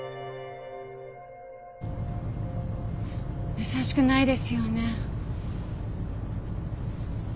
やさしくないですよね。